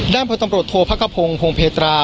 ด้านพิสิทธิ์ตำรถโทษภพกภงศ์หงพ์เภารา